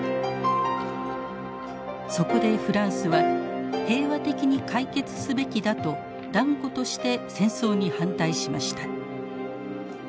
そこでフランスは平和的に解決すべきだと断固として戦争に反対しました。